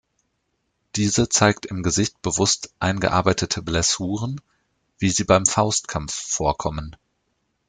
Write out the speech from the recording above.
Diese zeigt im Gesicht bewusst eingearbeitete Blessuren, wie sie beim Faustkampf vorkommen.